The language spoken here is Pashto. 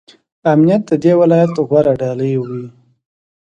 امنیت د دې ولایت غوره ډالۍ وي.